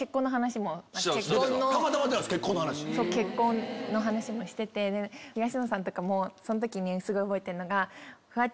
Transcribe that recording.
結婚の話もしてて東野さんとかもその時にすごい覚えてるのが。